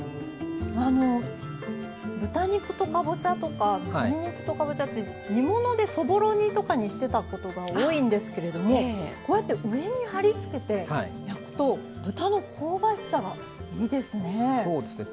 豚肉とかぼちゃとか鶏肉とかぼちゃって煮物でそぼろ煮にしていたことが多いんですけど多いんですけれども、こうやって上にはりつけて焼くと豚の香ばしさがいいですね。